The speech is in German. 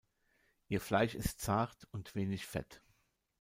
Ihr Fleisch ist zart und wenig fett.